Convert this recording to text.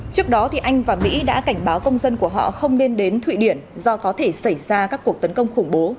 trước đó anh và mỹ đã cảnh báo công dân của họ không nên đến thụy điển do có thể xảy ra các cuộc tấn công khủng bố